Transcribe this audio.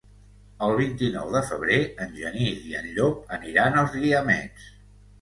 El vint-i-nou de febrer en Genís i en Llop aniran als Guiamets.